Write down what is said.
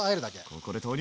ここで投入！